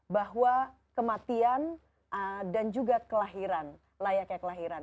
bahwa kematian dan juga kelahiran layaknya kelahiran